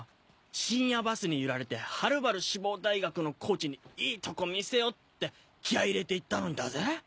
深夜バスに揺られてはるばる志望大学のコーチにいいとこ見せようって気合入れて行ったのにだぜ？